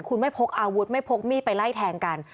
คุณไม่พกอาวุธไม่พกมีดไปไล่แทงกัน